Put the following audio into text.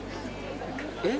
「えっ？」